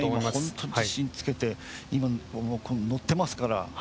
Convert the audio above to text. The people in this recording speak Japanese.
今、本当、自信つけて今、乗ってますから。